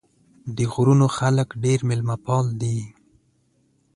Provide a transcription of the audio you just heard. د غرونو خلک ډېر مېلمه پال دي.